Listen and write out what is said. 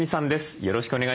よろしくお願いします。